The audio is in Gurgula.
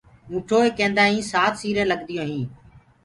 اونٺوئي ڪيندآئين سآت سيرين لگديون هين